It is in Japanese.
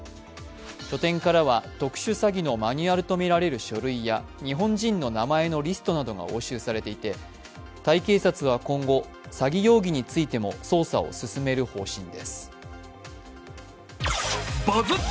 拠点からは特殊詐欺のマニュアルとみられる書類や日本人の名前のリストなどが押収されていてタイ警察は今後、詐欺容疑についても捜査を進める方針です。